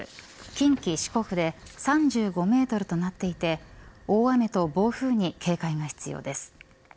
近畿、四国で３５メートルとなっていて大雨と暴風に警戒が必要です。